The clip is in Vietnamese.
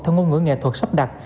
theo ngôn ngữ nghệ thuật sắp đặt